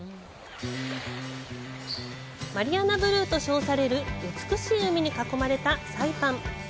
マリアナブルーと称される美しい海に囲まれたサイパン。